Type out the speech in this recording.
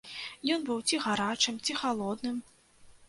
Ён быў ці гарачым, ці халодным!